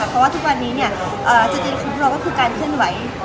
เพราะว่าทุกวันนี้เนี่ยจริงของเราก็คือการเคลื่อนไหว